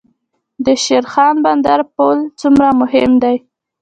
د شیرخان بندر پل څومره مهم دی؟